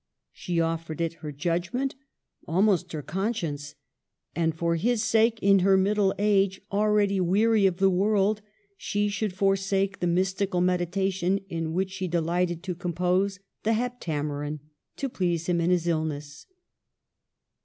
She offered it her judgment, almost her conscience. And for his sake, in her middle age, already weary of the world, she should forsake the mys tical meditation in which she delighted, to com pose the '' Heptameron " to please him in his illness.